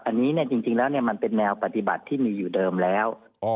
อันนี้จริงแล้วมันเป็นแนวปฏิบัติที่มีอยู่เดิมแล้ว